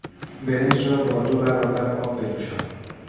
برنج را با دو برابر آب بجوشان!